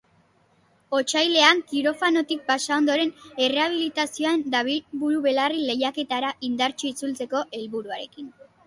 Otsailean kirofanotik pasa ondoren, errehabilitazioan dabil buru belarri lehiaketara indartsu itzultzeko helburuarekin.